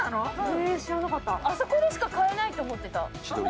あそこでしか買えないと思ってた。